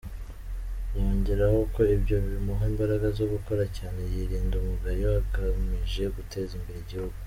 Yongeraho ko ibyo bimuha imbaraga zo gukora cyane yirinda umugayo, agamije guteza imbere igihugu.